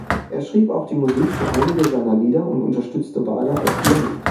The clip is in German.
Er schrieb auch die Musik für einige seiner Lieder und unterstützte Wader als Pianist.